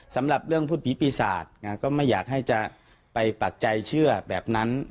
สำหรับเรื่องพูดผีปีศาจก็ไม่อยากให้จะไปปักใจเชื่อแบบนั้น